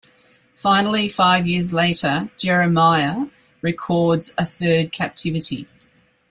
Finally, five years later, Jeremiah records a third captivity.